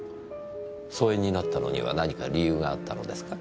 疎遠になったのには何か理由があったのですか？